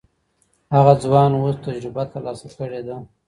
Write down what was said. هغه ځوان اوس تجربه ترلاسه کړې ده.